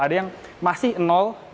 ada yang masih nol